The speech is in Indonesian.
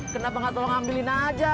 kenapa gak tolong ngambilin aja